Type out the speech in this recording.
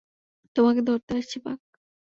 তোমাকে ধরতে আসছি, বাক!